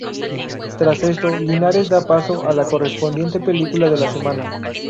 Tras esto, Linares da paso a la correspondiente película de la semana.